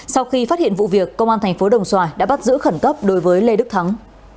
sau khi phát hiện vụ việc công an thành phố đồng xoài đã bắt giữ khẩn cấp đối với lê đức thắng